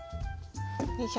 よいしょ。